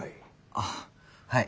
ああはい。